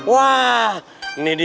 wah ini dia nih